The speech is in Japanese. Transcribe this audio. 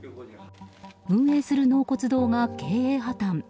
運営する納骨堂が経営破綻。